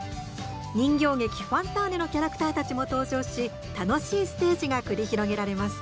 人形劇「ファンターネ！」のキャラクターたちも登場し楽しいステージが繰り広げられます。